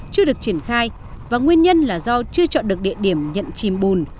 chưa được triển khai và nguyên nhân là do chưa chọn được địa điểm nhận chìm bùn